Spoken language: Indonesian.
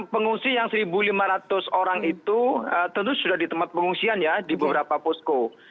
pengungsi yang satu lima ratus orang itu tentu sudah di tempat pengungsian ya di beberapa posko